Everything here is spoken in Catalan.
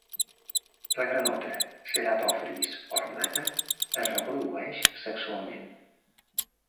La granota ceratophrys ornata es reprodueix sexualment.